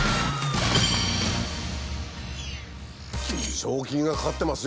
賞金がかかってますよ